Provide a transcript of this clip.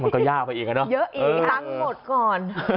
มันก็ยากไปอีกอ่ะเนอะเยอะอีกตั้งหมดก่อน